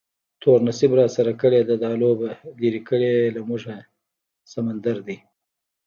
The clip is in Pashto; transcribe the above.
تور نصیب راسره کړې ده دا لوبه، لرې کړی یې له موږه سمندر دی